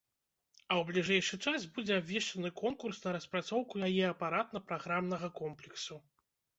А ў бліжэйшы час будзе абвешчаны конкурс на распрацоўку яе апаратна-праграмнага комплексу.